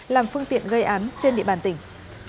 làm phương tiện gây án trên địa bàn tỉnh